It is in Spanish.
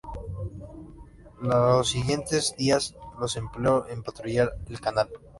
Los siguientes días los empleó en patrullar el canal.